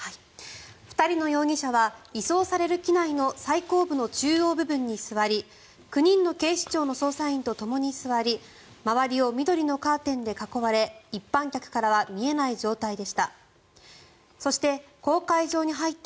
２人の容疑者は移送される機内の最後部の中央部分に座り９人の警視庁の捜査員とともに座り周りを緑のカーテンで囲われ一般客からは見えない状態でした。